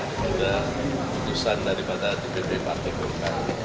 kita sudah putusan daripada dpr partai golkar